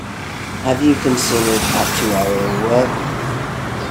Have you considered actuarial work?